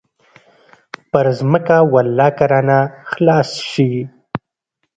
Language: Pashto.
پر ځمكه ولله كه رانه خلاص سي.